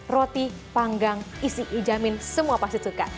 roti panggang isi ijamin semua pasti suka